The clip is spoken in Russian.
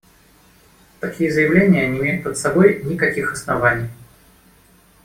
Такие заявления не имеют под собой никаких оснований.